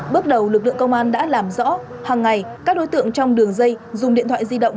bước đầu lực lượng công an đã làm rõ hàng ngày các đối tượng trong đường dây dùng điện thoại di động